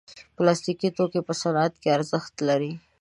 پلاستيکي توکي په صنعت کې ارزښت لري.